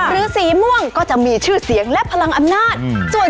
สีม่วงก็จะมีชื่อเสียงและพลังอำนาจ